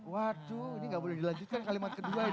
waduh ini nggak boleh dilanjutkan kalimat kedua ini